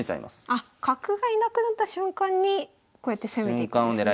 あ角がいなくなった瞬間にこうやって攻めていくんですね。